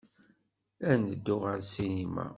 Ad neddu ɣer ssinima.